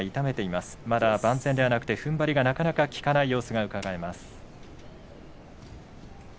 まだ万全ではなくて、ふんばりがなかなか効かない様子です。